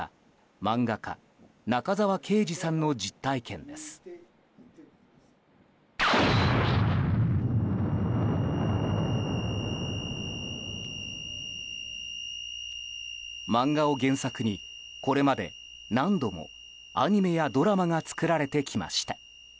漫画を原作に、これまで何度もアニメやドラマが作られてきました。